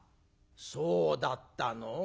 「そうだったの？